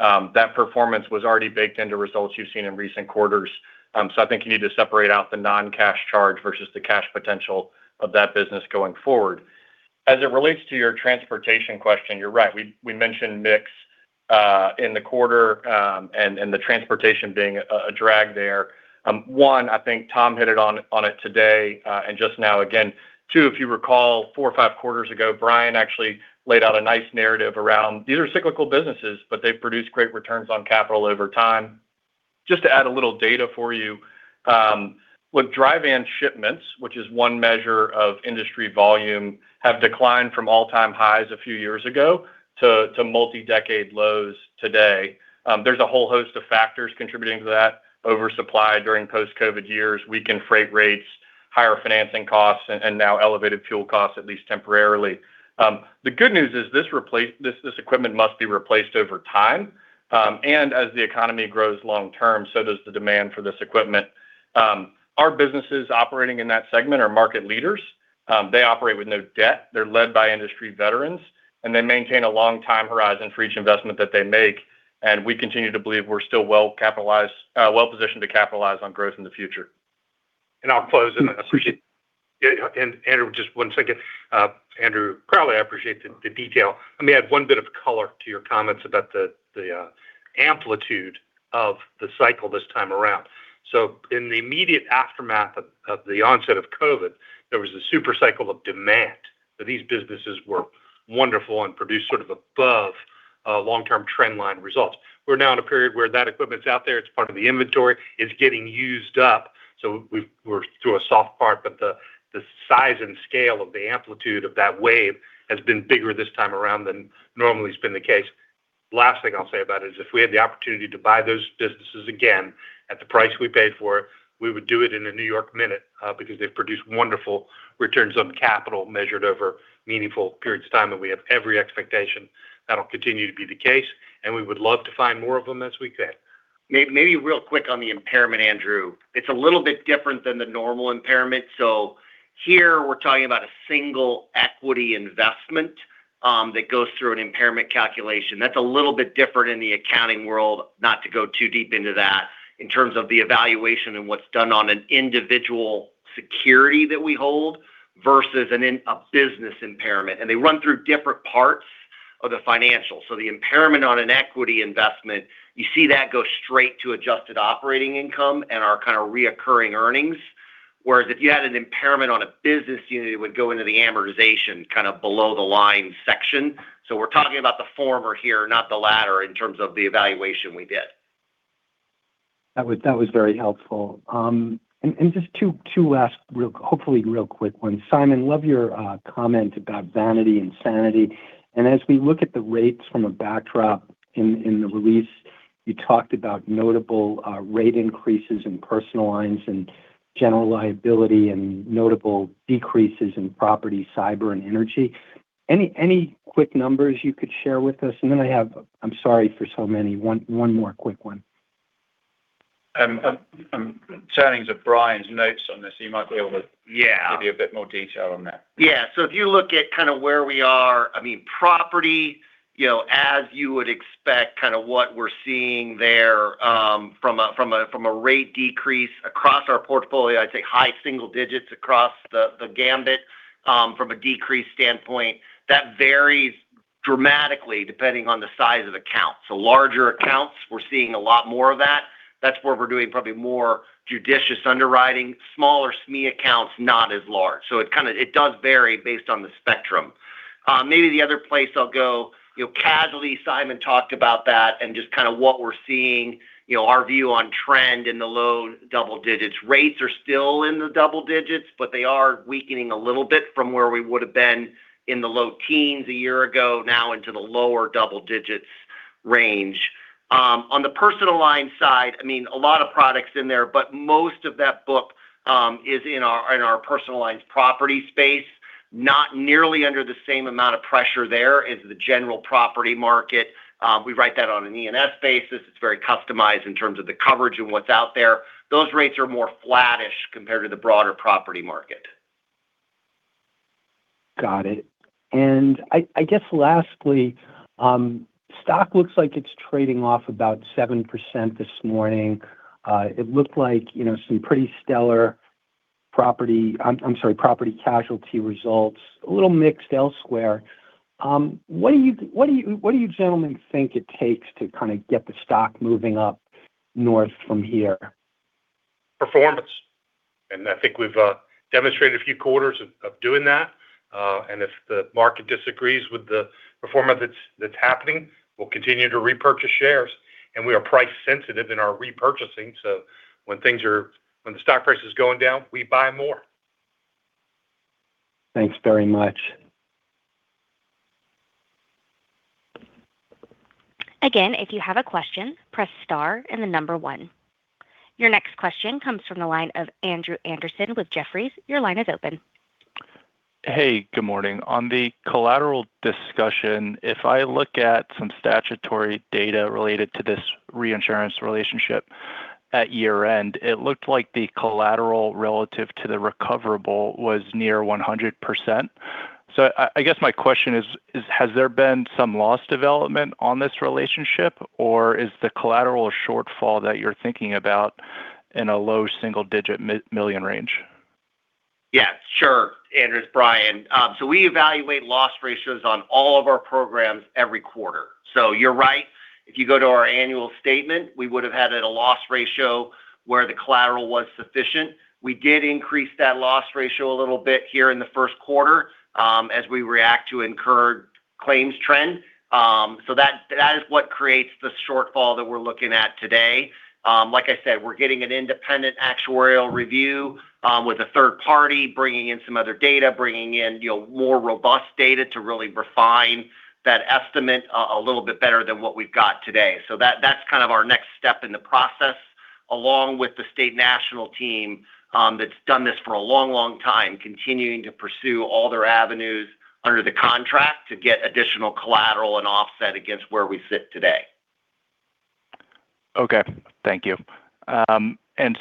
That performance was already baked into results you've seen in recent quarters. I think you need to separate out the non-cash charge versus the cash potential of that business going forward. As it relates to your transportation question, you're right. We mentioned mix in the quarter, and the transportation being a drag there. One, I think Tom hit it on it today, and just now again. Two, if you recall, four or five quarters ago, Brian actually laid out a nice narrative around these are cyclical businesses, but they produce great returns on capital over time. Just to add a little data for you, with dry van shipments, which is one measure of industry volume, have declined from all-time highs a few years ago to multi-decade lows today. There's a whole host of factors contributing to that: oversupply during post-COVID years, weakened freight rates, higher financing costs, and now elevated fuel costs, at least temporarily. The good news is this equipment must be replaced over time, and as the economy grows long term, so does the demand for this equipment. Our businesses operating in that segment are market leaders. They operate with no debt, they're led by industry veterans, and they maintain a long time horizon for each investment that they make, and we continue to believe we're still well-positioned to capitalize on growth in the future. I'll close and appreciate Andrew, just one second. Andrew Crowley, I appreciate the detail. Let me add one bit of color to your comments about the amplitude of the cycle this time around. In the immediate aftermath of the onset of COVID, there was a super cycle of demand. These businesses were wonderful and produced sort of above long-term trend line results. We're now in a period where that equipment's out there, it's part of the inventory, it's getting used up. We're through a soft part, but the size and scale of the amplitude of that wave has been bigger this time around than normally has been the case. Last thing I'll say about it is, if we had the opportunity to buy those businesses again at the price we paid for it, we would do it in a New York minute, because they've produced wonderful returns on capital measured over meaningful periods of time. We have every expectation that'll continue to be the case, and we would love to find more of them as we could. Maybe real quick on the impairment, Andrew. It's a little bit different than the normal impairment. Here we're talking about a single equity investment that goes through an impairment calculation. That's a little bit different in the accounting world, not to go too deep into that, in terms of the evaluation and what's done on an individual security that we hold versus a business impairment. They run through different parts of the financials. The impairment on an equity investment, you see that go straight to adjusted operating income and our kind of reoccurring earnings. Whereas if you had an impairment on a business unit, it would go into the amortization, kind of below the line section. We're talking about the former here, not the latter, in terms of the evaluation we did. That was, that was very helpful. just two last hopefully real quick ones. Simon, love your comment about vanity, insanity. As we look at the rates from a backdrop in the release, you talked about notable rate increases in personal lines and general liability and notable decreases in property, cyber, and energy. Any quick numbers you could share with us? Then I have I'm sorry for so many. One more quick one. I'm turning to Brian's notes on this. He might be able to. Yeah give you a bit more detail on that. If you look at kind of where we are, I mean, property, you know, as you would expect, kind of what we're seeing there, from a rate decrease across our portfolio, I'd say high single digits across the gamut, from a decrease standpoint. That varies dramatically depending on the size of accounts. The larger accounts, we're seeing a lot more of that. That's where we're doing probably more judicious underwriting. Smaller SME accounts, not as large. It does vary based on the spectrum. Maybe the other place I'll go, you know, casualty, Simon talked about that and just kind of what we're seeing, you know, our view on trend in the low double digits. Rates are still in the double-digits, but they are weakening a little bit from where we would've been in the low teens a year ago, now into the lower double-digits range. On the personal lines side, I mean, a lot of products in there, but most of that book is in our, in our personal lines property space, not nearly under the same amount of pressure there as the general property market. We write that on an E&S basis. It's very customized in terms of the coverage and what's out there. Those rates are more flattish compared to the broader property market. Got it. I guess lastly, stock looks like it's trading off about 7% this morning. It looked like, you know, some pretty stellar property casualty results. A little mixed elsewhere. What do you gentlemen think it takes to kind of get the stock moving up north from here? Performance. I think we've demonstrated a few quarters of doing that. If the market disagrees with the performance that's happening, we'll continue to repurchase shares. We are price sensitive in our repurchasing, so when the stock price is going down, we buy more. Thanks very much. Again, if you have a question, press star and the number one. Your next question comes from the line of Andrew Andersen with Jefferies. Your line is open. Hey, good morning. On the collateral discussion, if I look at some statutory data related to this reinsurance relationship at year-end, it looked like the collateral relative to the recoverable was near 100%. I guess my question is has there been some loss development on this relationship, or is the collateral shortfall that you're thinking about in a low single digit million range? Yeah, sure. Andrew, it's Brian. We evaluate loss ratios on all of our programs every quarter. You're right. If you go to our annual statement, we would have had a loss ratio where the collateral was sufficient. We did increase that loss ratio a little bit here in the first quarter, as we react to incurred claims trend. That is what creates the shortfall that we're looking at today. Like I said, we're getting an independent actuarial review with a third party, bringing in some other data, bringing in, you know, more robust data to really refine that estimate a little bit better than what we've got today. That's kind of our next step in the process, along with the State National team, that's done this for a long, long time, continuing to pursue all their avenues under the contract to get additional collateral and offset against where we sit today. Okay. Thank you.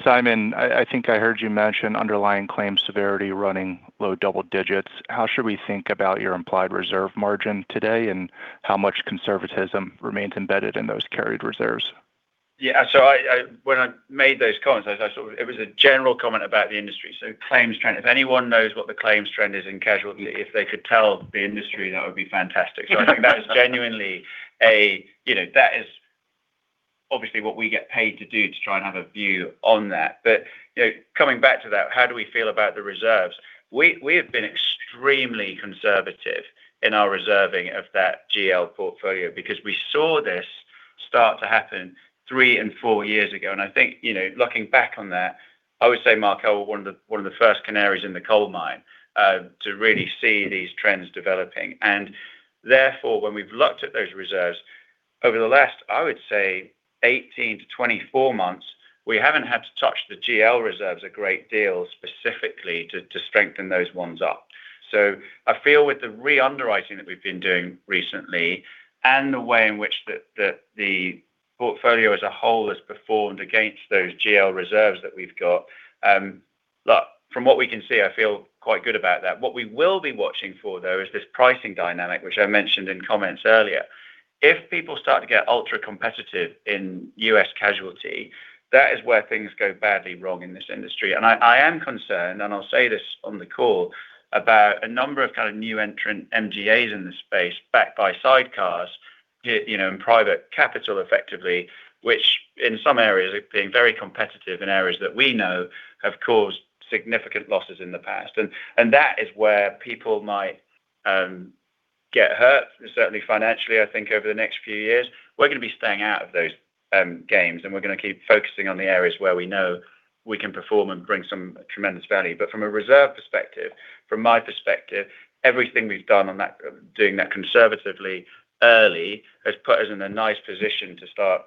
Simon, I think I heard you mention underlying claims severity running low double digits. How should we think about your implied reserve margin today, and how much conservatism remains embedded in those carried reserves? Yeah. I, when I made those comments, I sort of, it was a general comment about the industry. Claims trend. If anyone knows what the claims trend is in casualty, if they could tell the industry, that would be fantastic. I think that is genuinely a, you know, that is obviously what we get paid to do, to try and have a view on that. You know, coming back to that, how do we feel about the reserves? We have been extremely conservative in our reserving of that GL portfolio because we saw this start to happen three and four years ago. I think, you know, looking back on that, I would say Markel were one of the first canaries in the coal mine to really see these trends developing. Therefore, when we've looked at those reserves over the last, I would say 18 to 24 months, we haven't had to touch the GL reserves a great deal specifically to strengthen those ones up. I feel with the re-underwriting that we've been doing recently and the way in which the portfolio as a whole has performed against those GL reserves that we've got, look, from what we can see, I feel quite good about that. What we will be watching for, though, is this pricing dynamic, which I mentioned in comments earlier. If people start to get ultra-competitive in U.S. casualty, that is where things go badly wrong in this industry. I am concerned, and I'll say this on the call, about a number of kind of new entrant MGAs in this space backed by sidecars, you know, and private capital effectively, which in some areas are being very competitive in areas that we know have caused significant losses in the past. That is where people might get hurt, certainly financially, I think over the next few years. We're going to be staying out of those games, and we're going to keep focusing on the areas where we know we can perform and bring some tremendous value. From a reserve perspective, from my perspective, everything we've done on that, doing that conservatively early has put us in a nice position to start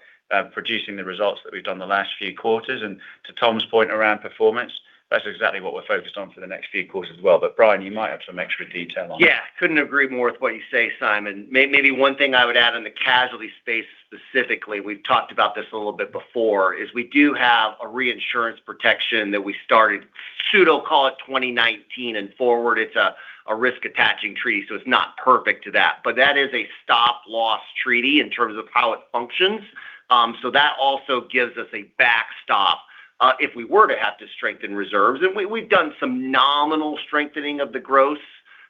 producing the results that we've done the last few quarters. To Tom's point around performance, that's exactly what we're focused on for the next few quarters as well. Brian, you might have some extra detail on that. Yeah, couldn't agree more with what you say, Simon. Maybe one thing I would add on the casualty space specifically, we've talked about this a little bit before, is we do have a reinsurance protection that we started, pseudo call it, 2019 and forward. It's a risk attaching treaty, so it's not perfect to that. That is a stop loss treaty in terms of how it functions. That also gives us a backstop if we were to have to strengthen reserves. We've done some nominal strengthening of the gross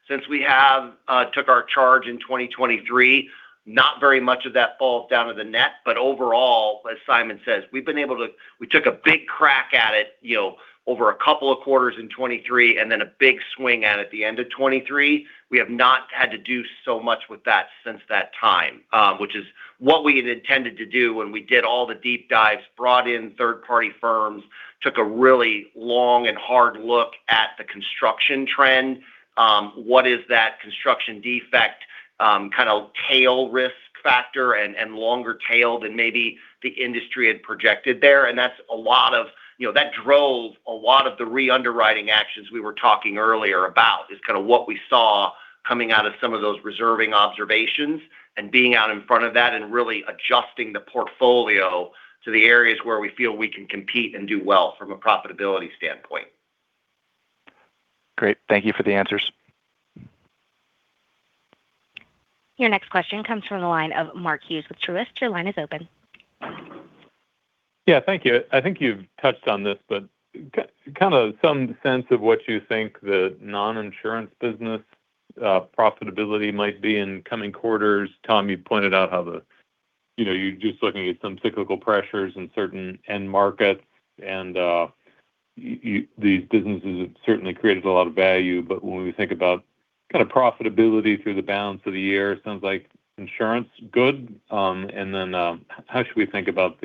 since we have took our charge in 2023. Not very much of that falls down to the net, but overall, as Simon says, we've been able to. We took a big crack at it, you know, over a couple of quarters in 2023 and then a big swing at it the end of 2023. We have not had to do so much with that since that time, which is what we had intended to do when we did all the deep dives, brought in third-party firms, took a really long and hard look at the construction trend. What is that construction defect, kind of tail risk factor and longer tail than maybe the industry had projected there? You know, that drove a lot of the re-underwriting actions we were talking earlier about, is kind of what we saw coming out of some of those reserving observations and being out in front of that and really adjusting the portfolio to the areas where we feel we can compete and do well from a profitability standpoint. Great. Thank you for the answers. Your next question comes from the line of Mark Hughes with Truist. Your line is open. Yeah, thank you. I think you've touched on this, kind of some sense of what you think the non-insurance business profitability might be in coming quarters. Tom, you pointed out how the, you know, you're just looking at some cyclical pressures in certain end markets and these businesses have certainly created a lot of value. When we think about kind of profitability through the balance of the year, it sounds like insurance, good. Then, how should we think about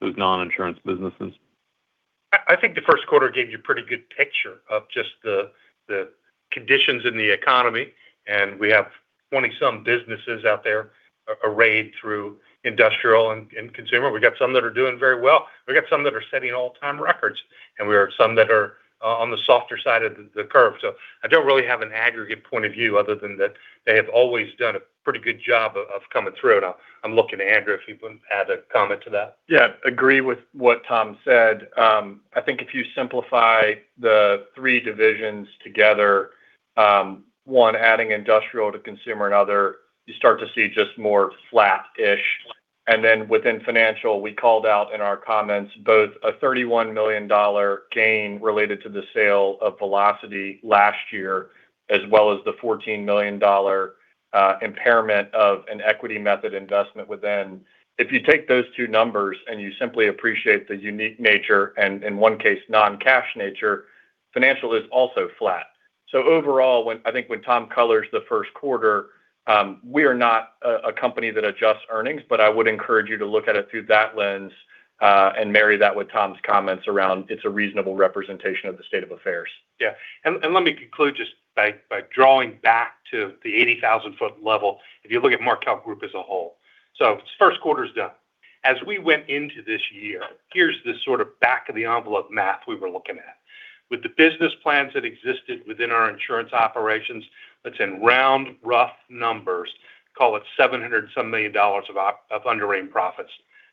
those non-insurance businesses? I think the first quarter gave you a pretty good picture of just the conditions in the economy, and we have 20 some businesses out there arrayed through industrial and consumer. We've got some that are doing very well. We've got some that are setting all-time records, and we have some that are on the softer side of the curve. I don't really have an aggregate point of view other than that they have always done a pretty good job of coming through. I'm looking to Andrew if he would add a comment to that. Yeah. Agree with what Tom said. I think if you simplify the three divisions together, one, adding industrial to consumer and other, you start to see just more flat-ish. Within financial, we called out in our comments both a $31 million gain related to the sale of Velocity last year, as well as the $14 million impairment of an equity method investment within. If you take those two numbers and you simply appreciate the unique nature, and in one case, non-cash nature, financial is also flat. Overall, I think when Tom colors the first quarter, we are not a company that adjusts earnings, but I would encourage you to look at it through that lens and marry that with Tom's comments around it's a reasonable representation of the state of affairs. Yeah. Let me conclude just by drawing back to the 80,000 foot level, if you look at Markel Group as a whole. First quarter's done. As we went into this year, here's the sort of back of the envelope math we were looking at. With the business plans that existed within our insurance operations, let's say in round, rough numbers, call it $700 and some million of underwriting profits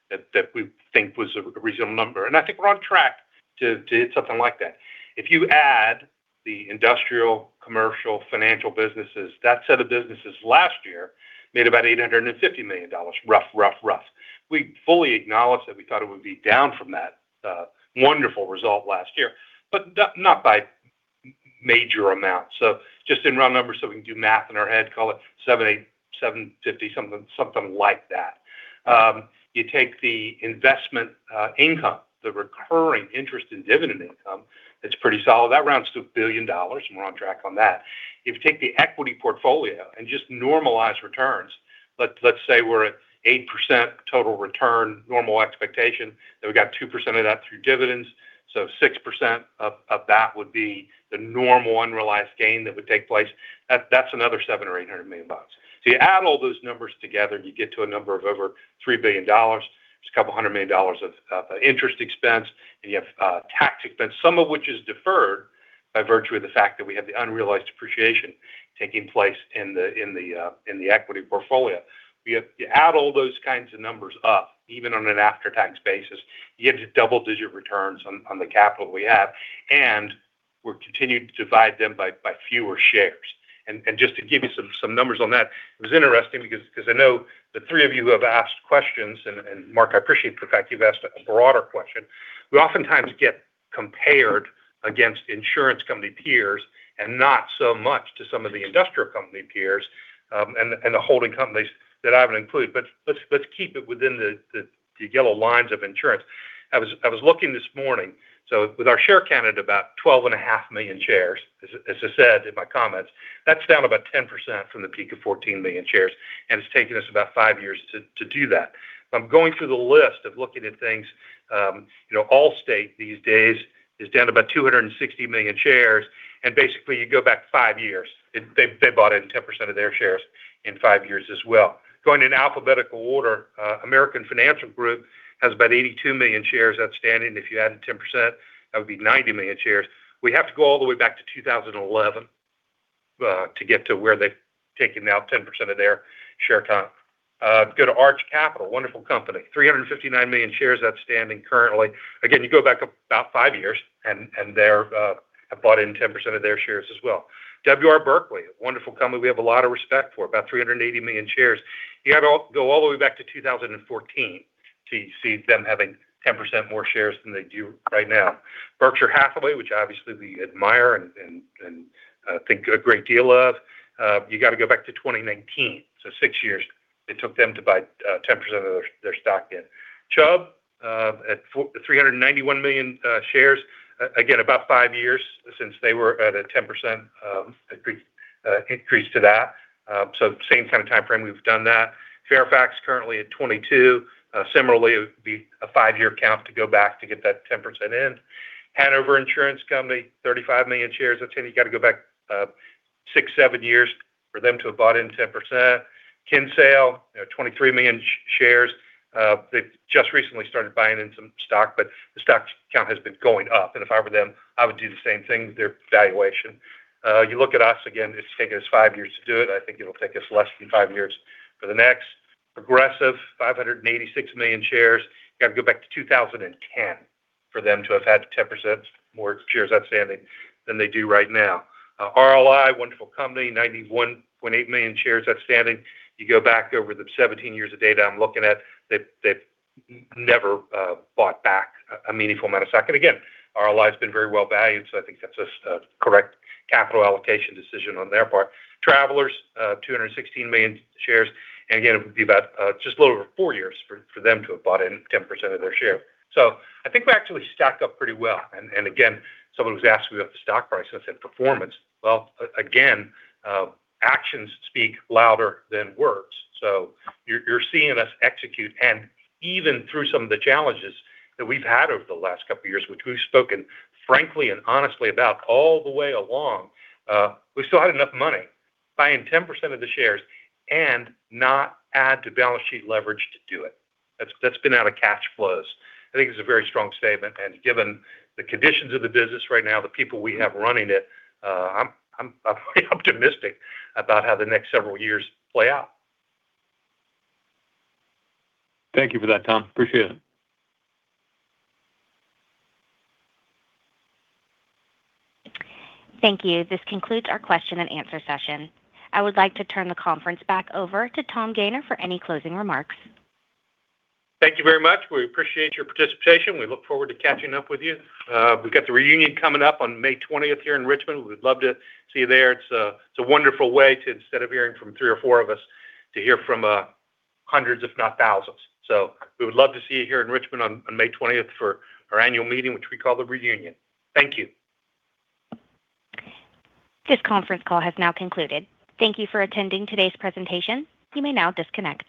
that we think was a reasonable number. I think we're on track to hit something like that. If you add the industrial, commercial, financial businesses, that set of businesses last year made about $850 million, rough, rough. We fully acknowledge that we thought it would be down from that wonderful result last year, but not by major amounts. Just in round numbers, so we can do math in our head, call it 750, something like that. You take the investment income, the recurring interest in dividend income, that's pretty solid. That rounds to $1 billion. We're on track on that. If you take the equity portfolio and just normalize returns, let's say we're at 8% total return normal expectation. We got 2% of that through dividends. Six percent of that would be the normal unrealized gain that would take place. That's another $700 million or $800 million. You add all those numbers together, and you get to a number of over $3 billion. There's a couple of $100 million of interest expense, and you have tax expense, some of which is deferred by virtue of the fact that we have the unrealized appreciation taking place in the, in the equity portfolio. You add all those kinds of numbers up, even on an after-tax basis, you get to double-digit returns on the capital we have, and we're continuing to divide them by fewer shares. Just to give you some numbers on that, it was interesting because I know the three of you who have asked questions, and Mark, I appreciate the fact you've asked a broader question, we oftentimes get compared against insurance company peers and not so much to some of the industrial company peers, and the holding companies that I haven't included. Let's keep it within the yellow lines of insurance. I was looking this morning. With our share count at about 12.5 million shares, as I said in my comments, that's down about 10% from the peak of 14 million shares, and it's taken us about five years to do that. I'm going through the list of looking at things, you know, Allstate these days is down about 260 million shares, and basically you go back five years. They've bought in 10% of their shares in five years as well. Going in alphabetical order, American Financial Group has about 82 million shares outstanding. If you added 10%, that would be 90 million shares. We have to go all the way back to 2011 to get to where they've taken out 10% of their share count. Go to Arch Capital, wonderful company, 359 million shares outstanding currently. Again, you go back about five years and they've bought in 10% of their shares as well. W. R. Berkley, a wonderful company, we have a lot of respect for, about 380 million shares. You have to go all the way back to 2014 to see them having 10% more shares than they do right now. Berkshire Hathaway, which obviously we admire and think a great deal of, you gotta go back to 2019. Six years it took them to buy 10% of their stock in. Chubb, at 391 million shares, again, about five years since they were at a 10% increase to that. Same kind of timeframe we've done that. Fairfax currently at 22. Similarly, it would be a five year count to go back to get that 10% in. Hanover Insurance Company, 35 million shares. That's saying you gotta go back, six, seven years for them to have bought in 10%. Kinsale, you know, 23 million shares. They've just recently started buying in some stock, but the stock count has been going up. If I were them, I would do the same thing with their valuation. You look at us, again, it's taken us five years to do it. I think it'll take us less than five years for the next. Progressive, 586 million shares. You gotta go back to 2010 for them to have had 10% more shares outstanding than they do right now. RLI, wonderful company, 91.8 million shares outstanding. You go back over the 17 years of data I'm looking at, they've never bought back a meaningful amount of stock. Again, RLI's been very well valued, so I think that's a correct capital allocation decision on their part. Travelers, 216 million shares. Again, it would be about just a little over four years for them to have bought in 10% of their shares. I think we're actually stacked up pretty well. Again, someone was asking about the stock price and performance. Well, again, actions speak louder than words. You're seeing us execute. Even through some of the challenges that we've had over the last couple of years, which we've spoken frankly and honestly about all the way along, we still had enough money buying 10% of the shares and not add to balance sheet leverage to do it. That's been out of cash flows. I think it's a very strong statement. Given the conditions of the business right now, the people we have running it, I'm optimistic about how the next several years play out. Thank you for that, Tom. Appreciate it. Thank you. This concludes our question and answer session. I would like to turn the conference back over to Tom Gayner for any closing remarks. Thank you very much. We appreciate your participation. We look forward to catching up with you. We've got the Reunion coming up on May 20th here in Richmond. We would love to see you there. It's a wonderful way to, instead of hearing from three or four of us, to hear from hundreds, if not thousands. We would love to see you here in Richmond on May 20th for our annual meeting, which we call the Reunion. Thank you. This conference call has now concluded. Thank you for attending today's presentation. You may now disconnect.